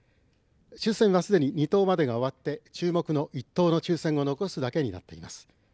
抽せんは２等までが終わっていて注目の１等の抽せんを残すだけになっています。